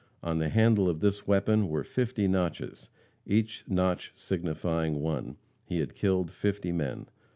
On the handle of this weapon were fifty notches, each notch signifying one. He had killed fifty men.